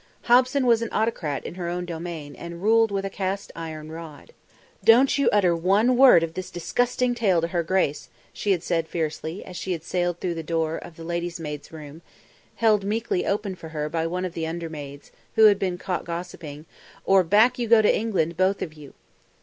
Hobson was an autocrat in her own domain and ruled with a cast iron rod. "Don't you utter one word of this disgusting tale to her grace," she had said fiercely as she had sailed through the door of the ladies maids' room, held meekly open for her by one of the under maids, who had been caught gossiping, "or back you go to England, both of you."